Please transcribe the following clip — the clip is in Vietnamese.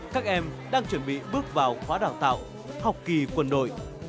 các em đang chuẩn bị bước vào khóa đào tạo học kỳ quân đội